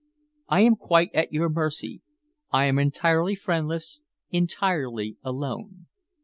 I am quite at your mercy. I am entirely friendless, entirely alone.